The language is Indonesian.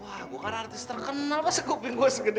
wah gue kan artis terkenal masa kuping gue segede gini aduh